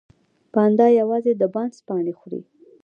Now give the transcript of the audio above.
پاندا یوازې د بانس پاڼې خوري